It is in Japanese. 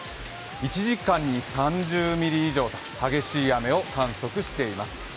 １時間に３０ミリ以上と激しい雨を観測しています。